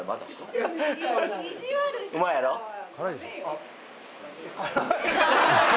あっ。